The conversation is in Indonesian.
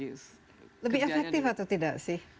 lebih efektif atau tidak sih